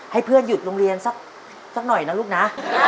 ให้เพื่อนหยุดโรงเรียนสักหน่อยนะลูกนะ